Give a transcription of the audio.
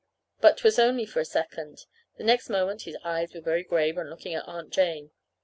But 't was only for a second. The next moment his eyes were very grave and looking at Aunt Jane.